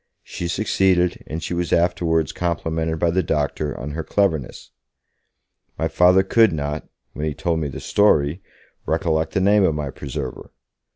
She succeeded, and she was afterwards complimented by the doctor on her cleverness. My Father could not when he told me the story recollect the name of my preserver.